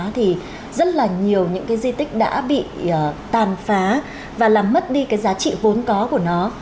thì rất là nhiều những cái di tích đã bị tàn phá và làm mất đi cái giá trị vốn có của nó